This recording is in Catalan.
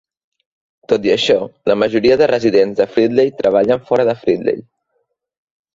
Tot i això, la majoria de residents de Fridley treballen fora de Fridley.